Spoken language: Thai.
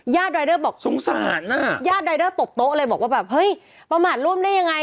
ญาติรายเดอร์บอกบอกว่าแบบเฮ้ยประมาทร่วมได้ยังไง